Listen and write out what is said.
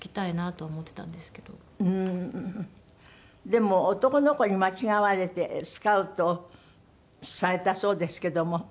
でも男の子に間違われてスカウトされたそうですけども。